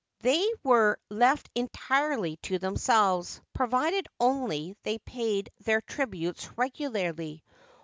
They were left entirely to themselves, provided only they paid their tributes regularly.